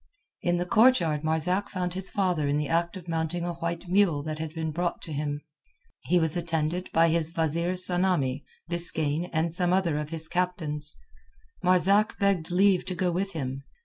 In the courtyard Marzak found his father in the act of mounting a white mule that had been brought him. He was attended by his wazeer Tsamanni, Biskaine, and some other of his captains. Marzak begged leave to go with him.